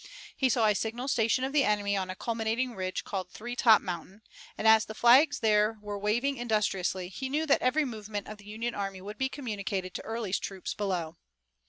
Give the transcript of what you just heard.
He saw a signal station of the enemy on a culminating ridge called Three Top Mountain, and as the flags there were waving industriously he knew that every movement of the Union army would be communicated to Early's troops below.